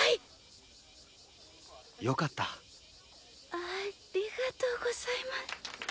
ありがとうございます。